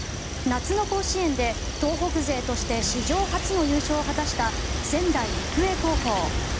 夏の甲子園で東北勢として史上初の優勝を果たした仙台育英高校。